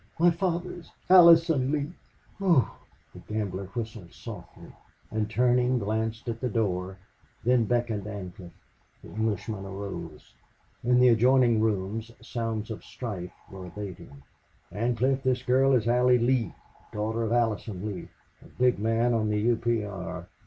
My father is Allison Lee." "Whew!" The gambler whistled softly and, turning, glanced at the door, then beckoned Ancliffe. The Englishman arose. In the adjoining rooms sounds of strife were abating. "Ancliffe, this girl is Allie Lee daughter of Allison Lee a big man of the U.P.R....